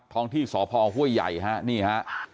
ท้องที่สพห้วยใหญ่ฮะนี่ฮะ